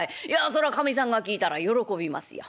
そらかみさんが聞いたら喜びますよ。